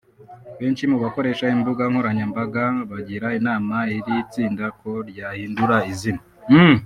Benshi mu bakoresha imbuga nkoranyambaga bagira inama iri tsinda ko ryahindura izina